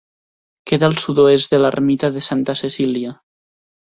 Queda al sud-oest de l'ermita de Santa Cecília.